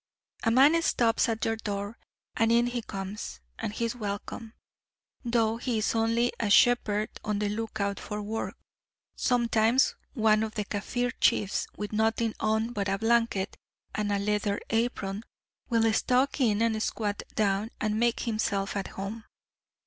A man stops at your door, and in he comes, and he is welcome though he is only a shepherd on the look out for work; sometimes one of the Kaffir chiefs with nothing on but a blanket and a leather apron, will stalk in and squat down and make himself at home.